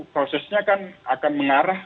prosesnya akan mengarah